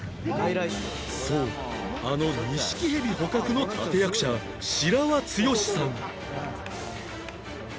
そうあのニシキヘビ捕獲の立役者白輪剛史さん